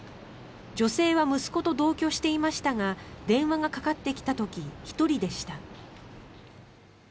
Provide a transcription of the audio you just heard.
女性は息子と同居していましたが電話がかかってきた時１人でした。